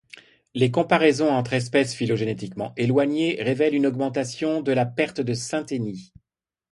Les comparaisons entre espèces phylogénétiquement éloignées révèlent une augmentation de la perte de synténie.